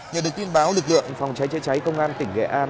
nhờ được tin báo lực lượng phòng cháy chữa cháy công an tỉnh nghệ an